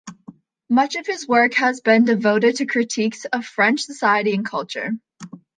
Much of his work has been devoted to critiques of French society and culture.